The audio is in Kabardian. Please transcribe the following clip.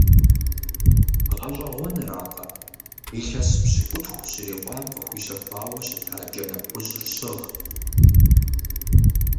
ГъэщӀэгъуэныракъэ, илъэс пщыкӀутху щрикъуам къыхуищэхуауэ щыта джанэ хужьыр щыгът.